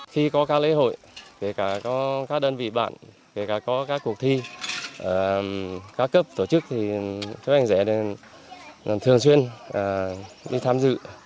khi có các lễ hội kể cả có các đơn vị bạn kể cả có các cuộc thi các cấp tổ chức thì các anh rẻ thường xuyên đi tham dự